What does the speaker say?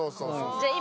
じゃあ今。